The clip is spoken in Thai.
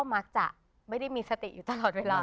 มักจะไม่ได้มีสติอยู่ตลอดเวลา